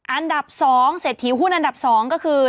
อันดับสองเสร็จถียวหุ้นอันดับสองก็คือ